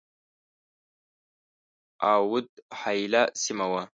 اَوَد حایله سیمه وه.